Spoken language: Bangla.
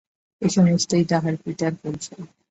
এ-সমস্তই তাঁহার পিতার কৌশল।